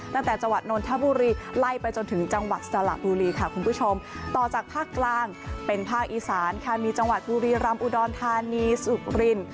จังหวัดนนทบุรีไล่ไปจนถึงจังหวัดสระบุรีค่ะคุณผู้ชมต่อจากภาคกลางเป็นภาคอีสานค่ะมีจังหวัดบุรีรำอุดรธานีสุริน